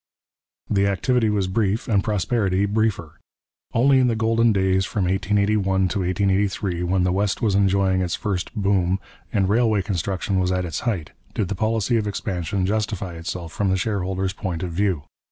The activity was brief and prosperity briefer. Only in the golden days from 1881 to 1883, when the West was enjoying its first 'boom' and railway construction was at its height, did the policy of expansion justify itself from the shareholder's point of view.